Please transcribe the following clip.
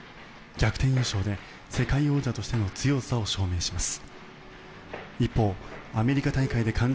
逆転優勝で世界王者としての強さを証明します。